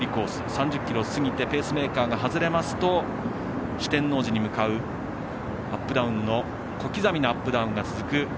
３０ｋｍを過ぎてペースメーカーが外れますと四天王寺に向かう小刻みなアップダウンが続く